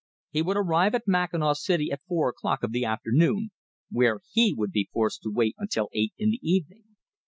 He would arrive at Mackinaw City at four o'clock of the afternoon, where he would be forced to wait until eight in the evening.